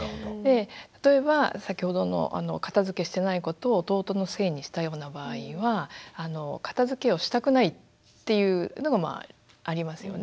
例えば先ほどの片づけしてないことを弟のせいにしたような場合は片づけをしたくないっていうのがまあありますよね。